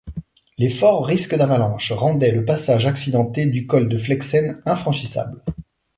Les forts risques d'avalanche rendaient le passage accidenté du col de Flexen infranchissable.